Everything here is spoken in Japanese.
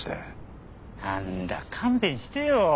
何だ勘弁してよ。